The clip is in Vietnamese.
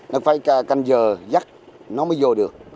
nó phải canh giờ dắt nó mới vô được